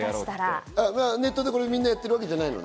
ネットでみんなやってるわけじゃないのね？